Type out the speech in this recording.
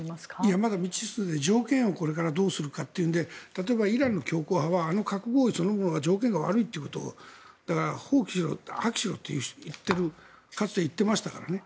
まだ未知数で、条件をこれからどうするかということでイランの強硬派はあの核合意そのものは条件が悪いということだから放棄しろ、破棄しろとかつて言っていましたからね。